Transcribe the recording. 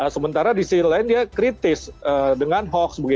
sementara di sisi lain dia kritis dengan hoax